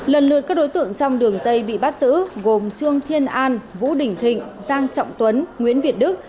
đối với các đối tượng trong đường dây bị bắt xử gồm trương thiên an vũ đình thịnh giang trọng tuấn nguyễn việt đức